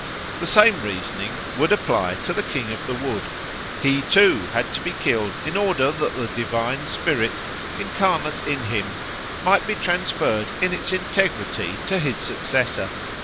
The same reasoning would apply to the King of the Wood; he, too, had to be killed in order that the divine spirit, incarnate in him, might be transferred in its integrity to his successor.